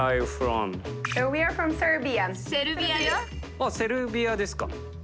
あっ、セルビアですか。